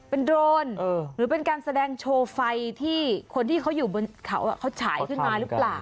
เป็นโดรนหรือเป็นการแสดงโชว์ไฟที่คนที่เขาอยู่บนเขาเขาฉายขึ้นมาหรือเปล่า